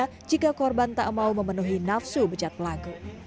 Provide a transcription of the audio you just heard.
karena jika korban tak mau memenuhi nafsu bejat pelaku